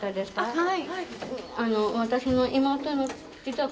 はい。